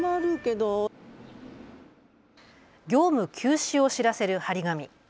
業務休止を知らせる貼り紙。